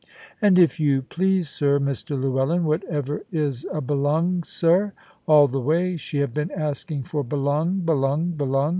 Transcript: "And, if you please, sir, Mr Llewellyn, whatever is a 'belung,' sir? All the way she have been asking for 'belung, belung, belung.'